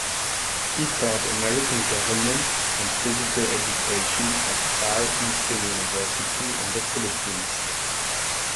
He taught American government and physical education at Far Eastern University in the Philippines.